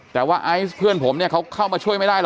แต่ว่าไอซ์เพื่อนผมเนี่ยเขาเข้ามาช่วยไม่ได้หรอ